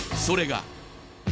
それが。